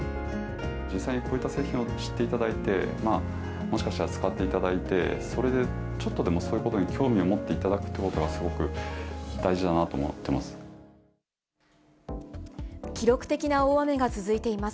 実際にこういった製品を知っていただいて、もしかしたら使っていただいて、それでちょっとでもそういうことに興味を持っていただくというこ記録的な大雨が続いています。